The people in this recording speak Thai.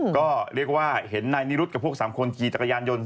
ก็เรียกว่าเห็นนายนิรุธกับพวก๓คนขี่จักรยานยนต์